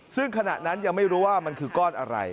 ซึ่งขณะนั้นยังไม่รู้ว่ามันคือก้อนอะไร